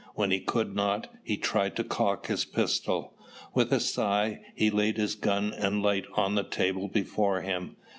When he could not, he tried to cock his pistol. With a sigh, he laid his gun and light on the table before him.